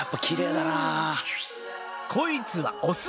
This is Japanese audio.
こいつはオス。